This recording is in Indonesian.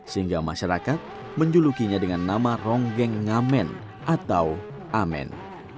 sehingga masyarakat menjulukinya dengan nama ronggeng ngamen atau amen